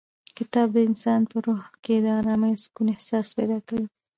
کتاب د انسان په روح کې د ارامۍ او سکون احساس پیدا کوي.